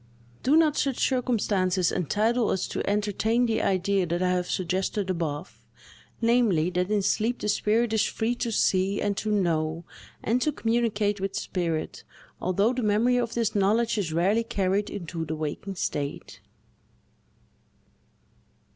Do not such circumstances entitle us to entertain the idea that I have suggested above, namely, that in sleep the spirit is free to see, and to know, and to communicate with spirit, although the memory of this knowledge is rarely carried into the waking state?